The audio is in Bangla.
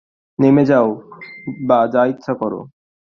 নেমে যাও বা যা ইচ্ছা করো।